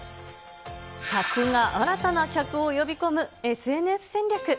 客が新たな客を呼び込むＳＮＳ戦略。